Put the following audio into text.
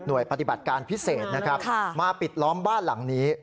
หน่วยปฏิบัติการพิเศษมาปิดล้อมบ้านหลังนี้